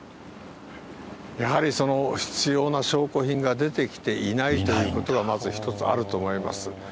やはり必要な証拠品が出てきていないということが、まず一つあると思います。